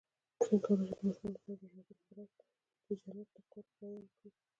څنګه کولی شم د ماشومانو لپاره د جنت د قرب بیان کړم